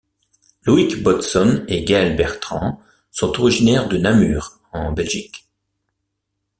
Loïc Bodson et Gaël Bertrand sont originaires de Namur, en Belgique.